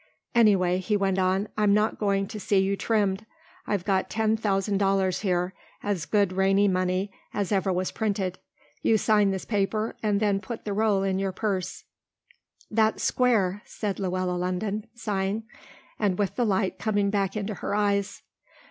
"Anyway," he went on, "I'm not going to see you trimmed. I've got ten thousand dollars here, as good Rainey money as ever was printed. You sign this paper and then put the roll in your purse." "That's square," said Luella London, signing, and with the light coming back into her eyes.